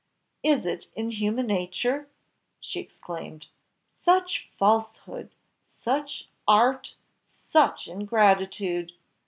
is it in human nature?" she exclaimed. "Such falsehood, such art, such ingratitude!"